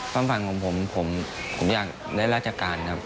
ความฝันของผมผมอยากได้ราชการครับ